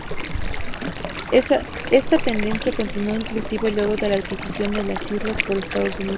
Esta tendencia continuó inclusive luego de la adquisición de las islas por Estados Unidos.